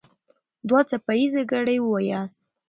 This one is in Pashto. دوه څپه ايزه ګړې وواياست.